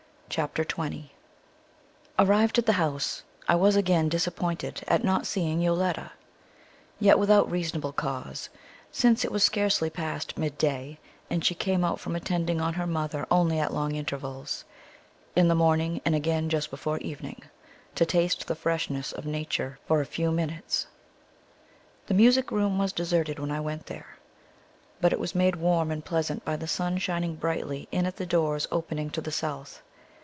Chapter 20 Arrived at the house I was again disappointed at not seeing Yoletta; yet without reasonable cause, since it was scarcely past midday, and she came out from attending on her mother only at long intervals in the morning, and again just before evening to taste the freshness of nature for a few minutes. The music room was deserted when I went there; but it was made warm and pleasant by the sun shining brightly in at the doors opening to the south.